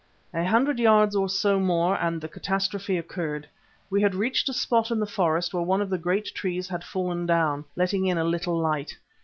A hundred yards or so more and the catastrophe occurred. We had reached a spot in the forest where one of the great trees had fallen down, letting in a little light.